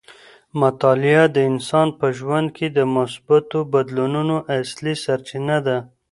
مطالعه د انسان په ژوند کې د مثبتو بدلونونو اصلي سرچینه ده.